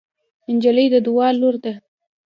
نجلۍ د دعا لور ده.